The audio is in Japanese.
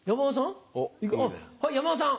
山田さん？